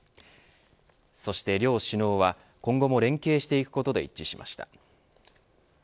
そして両首脳は今後も連携していくことで一致しました。